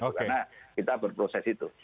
karena kita berproses itu